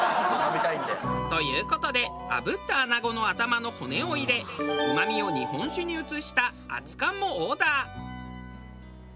という事で炙った穴子の頭の骨を入れうまみを日本酒に移した熱燗もオーダー。